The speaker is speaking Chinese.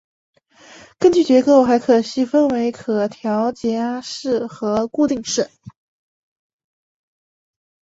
根据结构还可细分为可调压式和固定式。